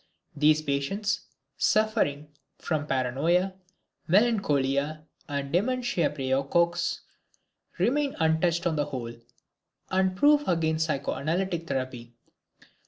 These patients, suffering from paranoia, melancholia, and dementia praecox, remain untouched on the whole, and proof against psychoanalytic therapy.